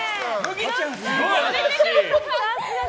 麦ちゃん、すごい！